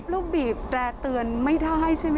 เราบีบร้าเตือนไม่ได้ใช่ไหมค่ะ